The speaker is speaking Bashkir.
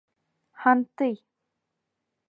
Һантый.